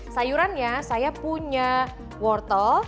sayurannya saya punya wortel